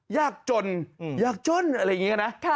ยากจนยากจนอะไรอย่างนี้นะ